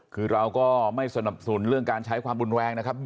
คือเราก็ไม่สนับสนุนเรื่องการใช้ความรุนแรงนะครับ